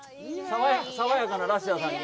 爽やかなラッシャーさんに。